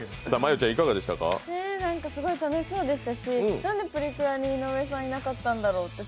すごい楽しそうでしたし、何でプリクラに井上さんいなかたっんだろうって。